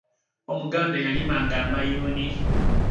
omuganda yalima nga amayuni